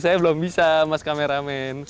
saya belum bisa mas kameramen